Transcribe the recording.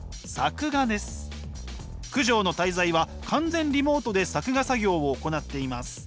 「九条の大罪」は完全リモートで作画作業を行っています。